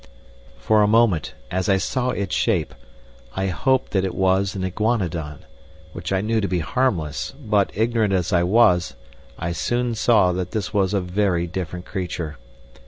For a moment, as I saw its shape, I hoped that it was an iguanodon, which I knew to be harmless, but, ignorant as I was, I soon saw that this was a very different creature.